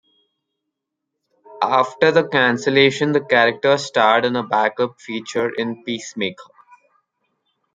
After the cancellation, the characters starred in a backup feature in "Peacemaker".